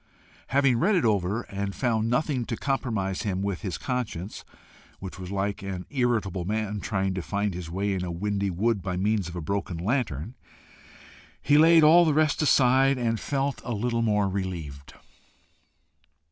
Having read it over, and found nothing to compromise him with his conscience, which was like an irritable man trying to find his way in a windy wood by means of a broken lantern, he laid all the rest aside and felt a little relieved.